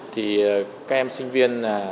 thì các em sinh viên